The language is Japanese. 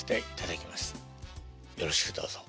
よろしくどうぞ。